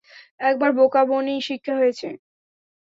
একবার বোকা বনেই শিক্ষা হয়েছে।